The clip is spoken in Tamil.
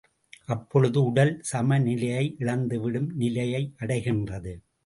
அப்பொழுது உடல் சமநிலையை இழந்திடும் நிலையை அடைகின்றது.